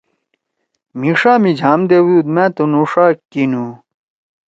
مھی ݜا می جھام دیؤدُود۔ مے تُنُو ݜا کینُو۔